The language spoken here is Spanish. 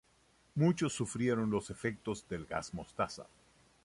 Muchos sufrieron los efectos del gas mostaza.